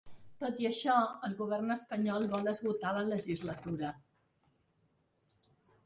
Tot i això, el govern espanyol vol esgotar la legislatura.